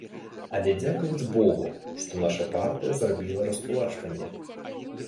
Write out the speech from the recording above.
Але дзякаваць богу, што наша партыя зрабіла раскулачванне.